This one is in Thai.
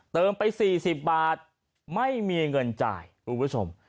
ไป๔๐บาทไม่มีเงินจ่ายคุณผู้ชม